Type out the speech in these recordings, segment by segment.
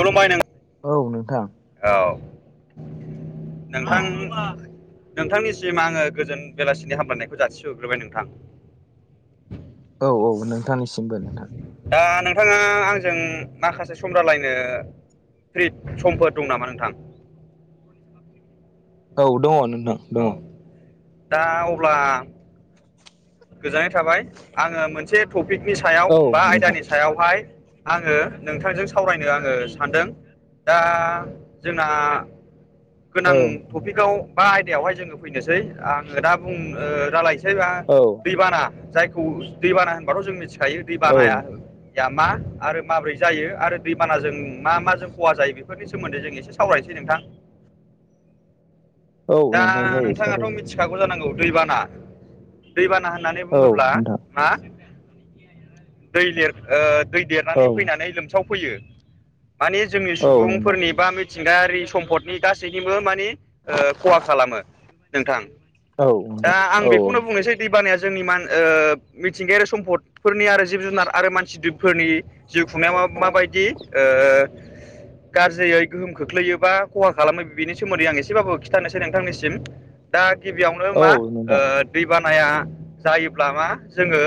खुलुमबाय नों औ नोंथां। औ नोंथां। नोंथांनिसिम आङो गोजोन बेलासिनि हामलायनायखौ जासिहरग्रोग्बाय नोंथां। औ औ नोंथांनिसिमबो नोंथां। दा नोंथाङा आंजों माखासे सम रायलायनो फ्रिद समफोर दं नामा नोंथां? औ दङ नोंथां दङ। औ दा अब्ला गोजोननाय थाबाय आङो मोनसे टपिकनि सायाव औ बा नोंथां आयदानि सायावहाय आङो नोंथांजों सावरायनो आङो सानदों। दा जोंना औ गोनां टपिकआव बा आयदायावहाय जोङो फैनोसै आङो दा बुं रायालायसै। सैबा औ बाना जायखौ दैबाना होनबाथ' जों मिथिखायो दै औ बानाया मा? आरो माबोरै जायो आरो दैबानाजों मा माजों खहा जायो बेफोरनि सोमोन्दै जों एसे सावरायनोसै नोंथां। [inaudible] औ दा नोंथां जायो नोंथाङाथ' सावरायो मिथिखागौ जानांगौ। दैबाना दैबाना होननानै औ बुङोब्ला नोंथां हा दै देर ओ दै औ देरनानै फैनानै लोमसाव फैयो माने जोंनि औ नोंथां सुबुंफोरनि बा मिथिंगायारि सम्पदनि गासैनिबो माने ओ खहा खालामो नोंथां औ दा नोंथां आं औ बेखौनो बुंनोसै बानाया जोंनि मान मिथिंगायारि सम्पदफोरनि आरो जिब जुनार आरो मानसिफोरनि जिउ खुंनायाव मा माबायदि ओ [inaudible] गाज्रियै गोहोम खोख्लैयो बा खहा खालामो बिनि सोमोन्दै आं एसेबाबो खिथानोसै नोंथांनिसिम दा गिबियावनो औ मा औ नोंथां ओ दैबाना नाया जायोब्ला मा जोङो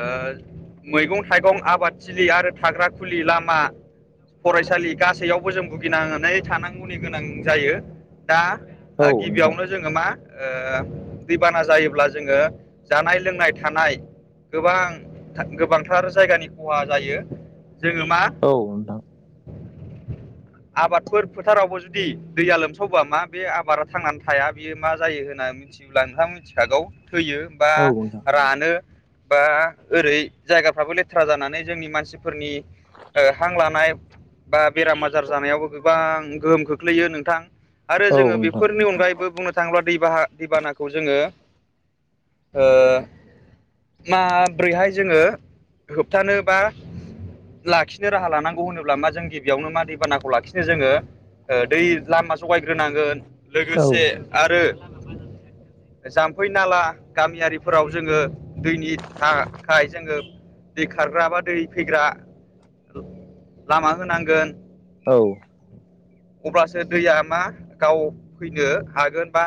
ओ मैगं थाइगं आबादथिलि आरो थाग्रा खुलि लामा फरायसालि गासैयावबो जों भुगिनानै थानांगौनि गोनां जायो दा औ नोंथां गिबियावनो जोङो मा ओ दैबाना जायोब्ला जोङो जानाय लोंनाय थानाय गोबां गोबांथार जायगानि खहा जायो जोङो मा औ नोंथां [inaudible] आबादफोर फोथारावबो जुदि दैया लोमसावबा मा बे आबादा थांनानै थाया बियो मा जायो होननानै मिथियोब्ला नोंथाङा मिथिखागौ थैयो बा औ नोंथां औ नोंथां औ रानो बा ओरै जायगाफ्राबो लेथ्रा जानानै जोंनि मानसिफोरनि ओ हां लानाय बा बेराम आजार जानायावबो गोबां गोहोम खोख्लैयो नोंथां आरो औ जोङो नोंथां बेफोरनि अनगायैबो बुंनो थाङोब्ला दैबाहा दैबानाखौ जोङो ओ माब्रैहाय जोङो होबथानोबा लाखिनो राहा लानांगौ होनोब्ला मा जों गिबियावनो मा दैबानाखौ लाखिनो जोङो दै लामा सगायग्रोनांगोन लोगोसे आरो जाम्फै नाला गामियारिफोराव जोङो दैनि थाखाय जोङो दै खारग्रा बा दै फैग्रा लामा होनांगोन औ अब्लासो दैया मा गाव फैनो हागोन बा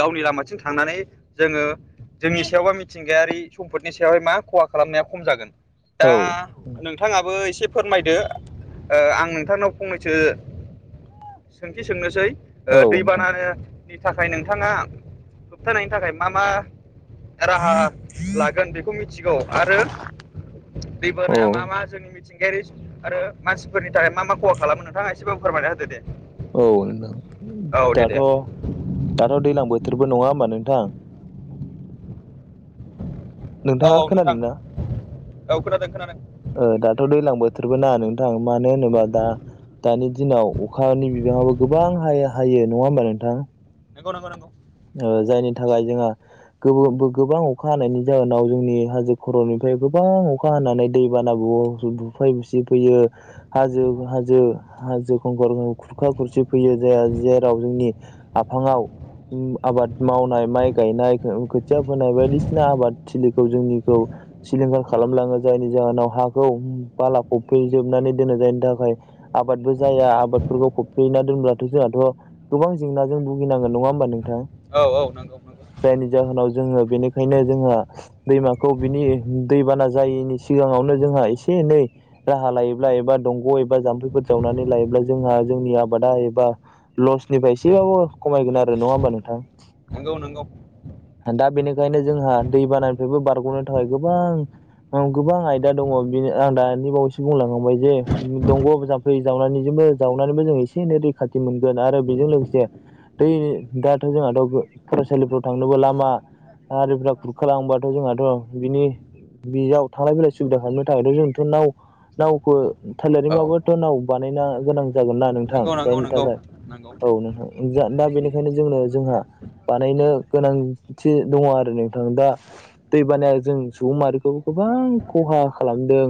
गावनि लामाथिं थांनानै जोङो जोंनि सायावबा मिथ मिथिंगायारि सम्पदनि सायावहाय मा खहा खालामनाया खम जागोन दा नोंथाङाबो एसे फोरमायदो ओ आं नोंथांनाव फंनैसो सोंथि सोंनोसै ओ दैबानानि थाखाय नोंथाङा होबथानायनि थाखाय मा मा राहा लागोन बेखौ मिथिगौ आरो औ दैबोना मा मा जोंनि मिथि गेरिस आरो मानसिफोरनि थाखाय मा मा खहा खालामो नोंथाङा एसेबाबो फोरमायना होदो दे औ नोंथां औ दे दे दाथ' दाथ' दैज्लां बोथोरबो नङा होमबा नोंथां औ नोंथाङा औ नोंथां खोनादों ना औ खोनादों खोनादों ओ दाथ' दैज्लां बोथोरबो ना नोंथां मानो होनोबा दा दानि दिनाव अखानि बिबाङाबो गोबां हा हायो नङा होमबा नोंथां नंगौ नंगौ नांगौ ओ जायनि थाखाय जोंहा गो गोबां अखा हानायनि जाहोनाव जोंनि हाजो खर'निफ्राय गोबां अखा हानानै दै बाना [unintelligible] बुफाय बुसि फैयो हाजो हाजो हाजो खंखर खुरखा खुरसि फैयो जाया जेराव जोंनि आफाङाव आबाद मावनाय माइ गायनाय खोथिया फोनाय बायदिसिना आबाद थिलिखौ जोंनिखौ सिलिंखार खालामलाङो जायनि जाहोनाव हाखौ बालाखौ फैजोबनानै दोननाय जायनि थाखाय आबादबो जाया आबादफोरखौ फबफना दोनब्लाथ' जोंहाथ' गोबां जेंनाजों भुगिनांगोन नङा होमबा नों थां औ औ नंगौ नंगौ जायनि जाहोनाव जोङो बेनिखायनो जोंहा दैमाखौ बिनि दैबाना जायैनि सिगाङावनो जोंहा एसे एनै राहा लायोब्ला एबा दंग' एबा जाम्फैफोर जावनानै लायोब्ला जोंहा जोंनि आबादा एबा लसनिफ्राय एसेबाबो खमायगोन आरो नङा होमबा नोंथां नंगौ नंगौ ओंखायनो जोंहा दैबानानिफ्रायबो बारग'नो थाखाय गोबां गोबां आयदा दङ बेनो आं दानि बावैसो बुंलांबाय जे दंग' जाम्फै जावनानै जे जावनानैसबो एसे एनै दै गाथि मोनगोन आरो बेजों लोगोसे दा थ' जोंहाथ' फरायसालिफ्राव थांनोबो लामा हारिफ्रा खुरखाालांबाथ' जोंहाथ' बिनि बेयाव थांलाय फैलाय सुबिदा खालामनो थाखायथ' जोंथ' नाव नावखौ नंगौ थालारिबाबोथ' नाव बानायना गोनां जागोन ना नोंथां नंगौ जायनि नंगौ थाखाय नंगौ औ नोंथां दा बेनिखायनो जोंनो जोंहा बानायनो उम गोनांथि दङ आरो नोंथां दा दै बानाया जों सुबुं माहारिखौबो गोबां खहा खालामदों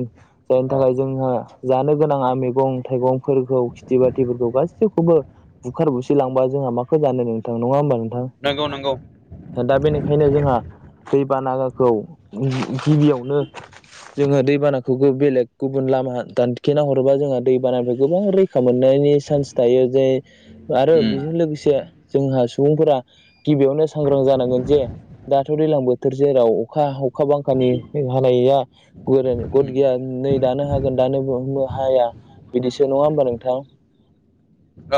जायनि औ थाखाय जोंहा जानो गोनाङा मैगं थाइगंफोरखौ खिथि बाथिफोरखौ गासैखौबो बुखार बुसिलांबा जोंहा माखौ जानो नोंथां नङा होमबा नंगौ नंगौ नोंथां दा बेनिखायनो जोंहा दै बाना खौ गिबियावनो जोङो दैबानाखौ बेलेग गुबुन लामा दानखेना हरोबा जोंहा दैबानानिफ्राय गोबां रैखा मोनो नि चान्स थायो जे आरो उम बेजों लोगोसे जोंहा सुबुंफोरा गिबियावनो सांग्रां जानांगोन जे दाथ' दैज्लां बोथोर जेराव अखा अखा बांखानि हानाया गद उम गैया नै दानो हागोन दानो हाया बिदिसो नङा होमबा नोंथां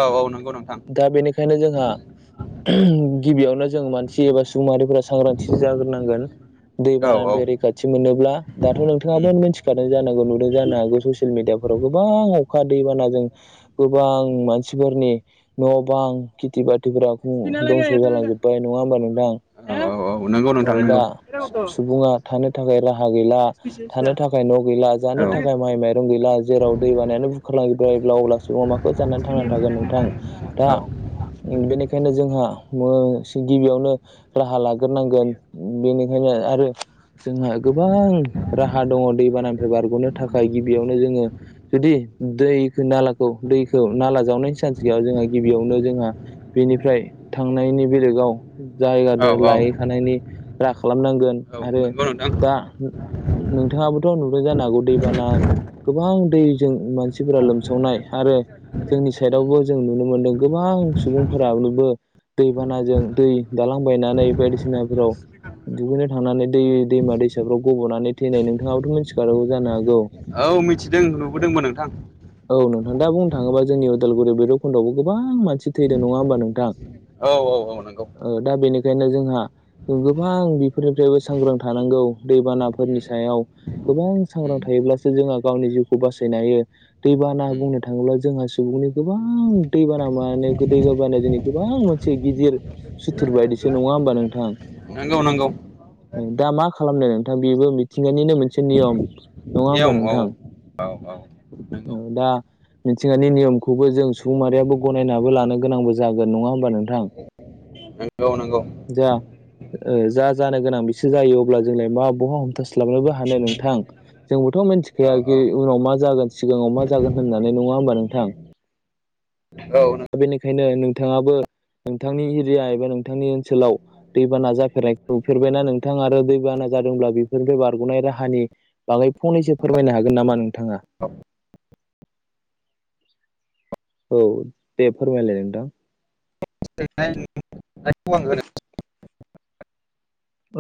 औ औ नंगौ नोंथां दा बेनिखायनो जोंहा गिबियावनो जों मानसि एबा सुबुं माहारिफोरा सांग्रांथि जाग्रोनांगोन औ औ दैबानानिफ्राय रैखाथि मोनोब्ला दाथ' उम नोंथाङाबो मिथिखादों जानांगौ नुदों जानो हागौ ससियेल मिडियाफोराव गोबां अखा दैबानाजों गोबां मानसिफोरनि न' बां खिथि बाथि दंस' जालांजोब्बाय नङा होमबा नोंथां औ औ औ नंगौ नोंथां दा नंगौ सुबुङा थानो थाखाय राहा गैला थानो थाखाय न' गैला औ जानो थाखाय माइ माइरं गैला जेराव दै बानायानो बुख खालामायोब्ला अब्ला सुबुंङा माखौ जानानानै थांना थागोन नोंथां दा बेनिखायनो जोंहा गिबियावनो राहा लाग्रोनांगोन बेनिखायनो आरो जोंहा गोबां राहा दङ दैबानानिफ्राय बारग'नो थाखाय गिबियावनो जोङो जुदि दैखौ नालाखौ दैखौ नाला जावनायनि सिगां सिगां गैया जोंहा गिबियावनो जोंहा बेनिफ्राय थांनायनि बेलेगाव जायगा औ औ लायहैखानायनि राखा खालामनांगोन आरो नंगौ नोंथां दा नोंथाङाबोथ' नुदों जानो हागौ दैबाना गोबां दैजों मानसिफोरा लोमसावनाय आरो। जोंनि साइदावबो जों नुनो मोन्दों गोबां सुबुंफोरानोबो दैबानाजों दै दालांबायनानै बायदिसिनाफोराव दुगैनो थांनानै दै दैमा दैसाफ्राव गब'नानै थैनाय नोंथाङाबोथ' मिथिखागांगौ जानो हागौ। औ मिथिदों नुबोदोंमोन नोंथां। औ नोंथां आं बुंनो थाङोबा जोंनि उदालगुरि भैरबखुन्दआवबोबां मानसि थैदों नङा होनोमबा नोंथां। औ औ औ नंगौ। बेखायनो जोंहा गोबां बेफोरनिफ्रायबो सांग्रां थानांगौ दैबानाफोरनि सायाव गोबां सांग्रां थायोब्लासो जोंहा गावनि जिउखौ बासायनो हायो दैबाना बुंनो थाङोब्ला जोंहा सुबुं गोबां दैबाना मा गोदै गोाबानो जोंनि गोबां मोनसे गिदिर सुथुर बायदिसो नङा होमबा नोंथां? नांगौ नांगौ। दा मा खालामनो नोंथां बेबो मिथिंगानिनो मोनसे नियम। एं औ औ औ। नंगौ औ दा। मिथिंगानि नियमखौबो जों सुबुं साहारियाबो गनायनाबो लानो गोनांबो जागोन नङा होनबा नोंथां? नंगौ नंगौ। जा जा जानो गोनां बिसोर जायो अब्ला जोंलाय मा बहा हमथास्लाबनोबो हानो नोंथां। जोंबोथ' औ मिथिखायााखि औ नोंथांखौ आं उनाव मा जागोन सिगाङाव मा जागोन होननानै नङा होमबा नोंथां। औ नो बेनिखायनो नोंथाङाबो नोंथांनि एरिया एबा नोंथांनि ओनसोलाव दैबाना जाफेरनायुफेरबायना नोंथां आरो दैबाना? जादोंब्ला बेफोरनि बे बारग'नाय राहानि बागै फंनैसो फोरमायनो हागोन नामा नोंथाङा? औ दे फोरमायलाय नोंथां। होनो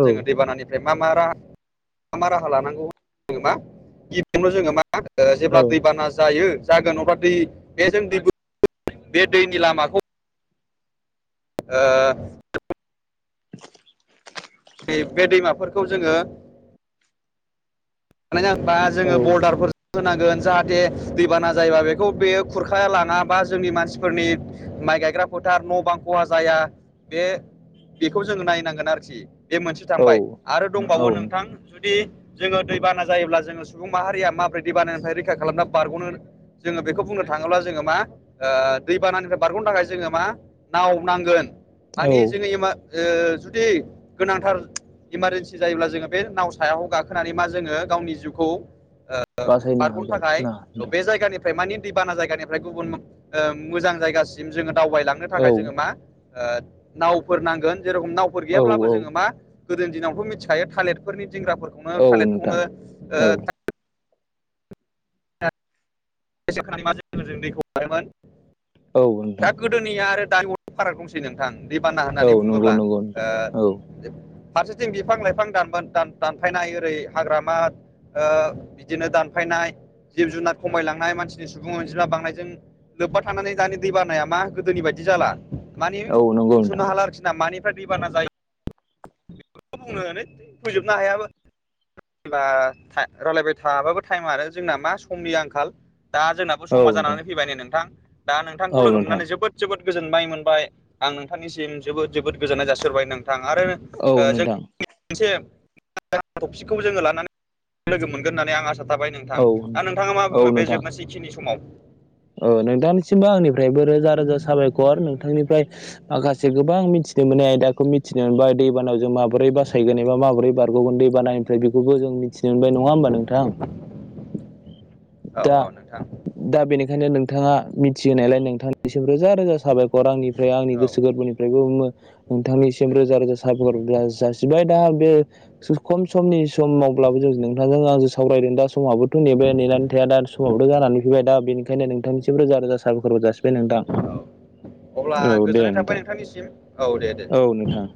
औ जोङो दैबानानि मा मा मा राहा लानांगौ जों मा गिबियावनो जोङो मा? जेब्ला औ दैबाना जायो जागोन अब्लाा दै बेजों दै बे दैनि लामाखौ ओ। बे दैमाफोरखौ जोङो बानाय नाङोबा औ जोङो बलडारफोर होनांगोन जाहाथे दैबाना जायोबा बेखौ बे खुरखाया लाङा बा जोंनि मानसिफोरनि माइ गायग्रा फोथार न' बां खहा जाया बे बेखौ जोङो नायनांगोन आरोखि। बे मोनसे औ थांबाय आरो दंबावो औ नोंथां जुदि जोङो दै बाना जायोब्ला जोङो सुबुं माहारिया माबोरै दै बानायाथाय रैखा खालामना बारग'नो? जोङो बेखौ बुंनो थाङोब्ला जोङो मा दैबानानिफ्राय बारग'नो थाखाय जोङो मा नाव नांगोन। औ मानि जोङो ओ जुदि गोनांथार इमारजेन्सि जायोब्ला जोङो बे नाव सायावखौ गाखोनानै मा जोङो गावनि जिउखौ बासायनो बारग'नो हागोन थाखाय ना नोंथां? बे जायगानि फ्राय मानि दैबाना जायगानिफ्राय गुबुन मोजां जायगासिम जोङो दावबायलांनो औ थाखाय जोङो मा नावफोर नांगोन जेरखम नावफोर औ गैयाब्लाबो औ जोङो मा गोदोनि दिनावथ' मिथिखायो थालिरफोरनि दिंग्राफोरखौनो औ नोंथां थालिरखौनो औ दैखौ हारोमोन औ नोंथां दा गोदोनिया आरो। दायो अ फाराग दंसै नोंथां दै बाना औ होननानै नंगौ बुङोब्ला। नंगौ नोंथां औ फारसेथिं बिफां लाइफां दानोन दानफायनाय ओरै हाग्रामा बिदिनो दानफायनाय जिब जुनार खमायलाङो। बांनाय मानसिनि सुबुं अजिब्ला बांनायजों लोब्बा थानानै दानि दै बारानाया मा गोदोनि बायदि जाला मानिे औ नंगौ बुंस'नो नोंथां हाला आरोखि ना मानिफ्राय दै बाना जायो बे बुंनानै फोजोबनो हायाबो बा रायजलायबाय थाबाबो टाइम आरो जोंना मा समनि आंखाल दा जोंनाबो औ समा नोंथां जानानै फैबाय नै नोंथां दा औ नोंथांखौ लोगो नोंथां मोननानै जोबोद जोबोद गोजोनबाय मोनबाय आं नोंथांनिसिम जोबोद जोबोद गोजोननाय जासिबाय नोंथां आरो औ जों नोंथां मोनसे टपिकखौबो जोङो लानानै लोगो मोनगोन होननानै आं आसा थाबाय नोंथां औ दा नोंथाङा नोंथां मा बुङो बे नोंथां जोबनोसैखिनि समाव औ नोंथांनिसिमबो आंनिफ्रायबो रोजा रोजा साबायखर नों बिथांनिफ्राय माखासे गोबां मिथिनो मोनै आयदाखौ मिथिनो मोन दैबानायाव जों माबोरै बासायगोन एबा माबोरै बारग'गोन दै बानायनिफ्राय बेखौबो जों मिथि मोनबाय नङा हबा नोंथां औ दा औ नोंथां दा बेनि नोंथाङा मिथिहोनायलाय नोंथांनिसिम रोजा रोजा साबायखर आंनिफ्राय आंनि औ गोसो गोरबोनिफ्रायबो बुङो नोंथांनिसिम रोजा रोजा साबायखर जा जासिबाय दा बे खम समनि सम मावब्लाबो जों नोंथांजों आं सावरायदों दा समावाबोथ' नेबाय नेनानै थाया दा समावथ' जानानै फैबाय दा बेनिखाय बेओंखायनो नोंथांनिसिम रोजा रोजा साबायखरबो जासिबाय नोंथां। औ अब्ला औ दे गोजोननाय थाबाय नोंथां नोंथांनिसिम औ दे दे औ नोंथां।